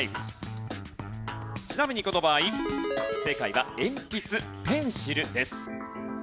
ちなみにこの場合正解は「えんぴつ」「ペンシル」です。